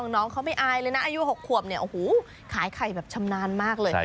น้องเขาไม่อายเลยนะอายุ๖ขวบเนี่ยโอ้โหขายไข่แบบชำนาญมากเลย